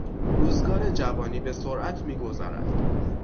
روزگار جوانی به سرعت میگذرد.